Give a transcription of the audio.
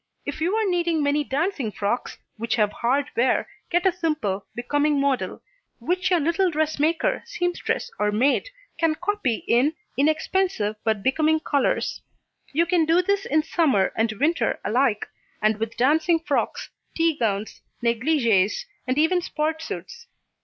If you are needing many dancing frocks, which have hard wear, get a simple, becoming model, which your little dressmaker, seamstress or maid can copy in inexpensive but becoming colours. You can do this in Summer and Winter alike, and with dancing frocks, tea gowns, negligées and even sport suits.